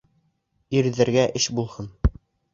Ирҙәргә эш булһын